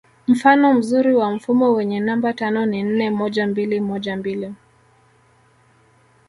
Mfano mzuri wa mfumo wenye namba tano ni nne moja mbili moja mbili